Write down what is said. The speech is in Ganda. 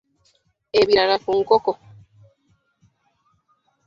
Ebirala ku nkoko.